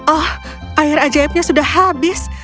oh air ajaibnya sudah habis